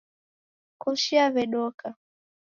Koshi yawedoka